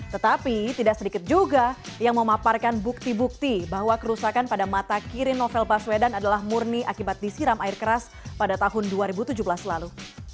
tetapi tidak sedikit juga yang memaparkan bukti bukti bahwa kerusakan pada mata kiri novel baswedan adalah murni akibat disiram air keras pada tahun dua ribu tujuh belas lalu